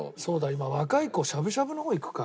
今若い子しゃぶしゃぶの方いくか。